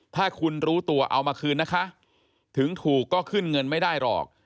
ถ้าคุณรู้ตัวเอามาคืนนะคะถึงถูกก็ขึ้นเงินไม่ได้หรอก